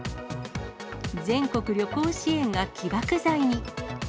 全国旅行支援が起爆剤に。